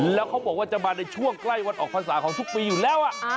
แล้วเขาบอกว่าจะมาในช่วงใกล้วันออกพรรษาของทุกปีอยู่แล้ว